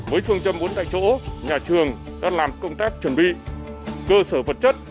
với phương châm vốn tại chỗ nhà trường đang làm công tác chuẩn bị cơ sở vật chất